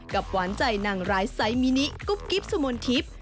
หวานใจนางร้ายไซส์มินิกุ๊บกิ๊บสุมนทิพย์